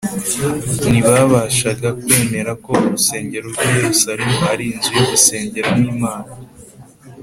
Ntibabashaga kwemera ko urusengero rw’i Yerusalemu ari inzu yo gusengeramo Imana